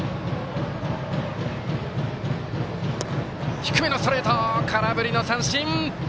低めのストレート空振り三振！